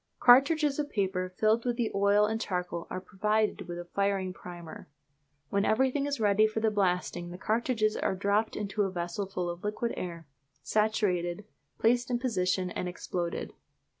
Cartridges of paper filled with the oil and charcoal are provided with a firing primer. When everything is ready for the blasting the cartridges are dropped into a vessel full of liquid air, saturated, placed in position, and exploded.